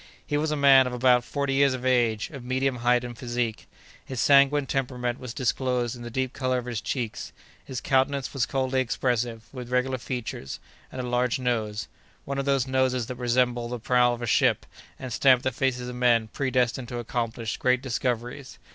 He was a man of about forty years of age, of medium height and physique. His sanguine temperament was disclosed in the deep color of his cheeks. His countenance was coldly expressive, with regular features, and a large nose—one of those noses that resemble the prow of a ship, and stamp the faces of men predestined to accomplish great discoveries.